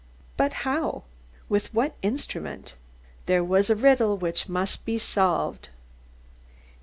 But how? With what instrument? There was the riddle which must be solved.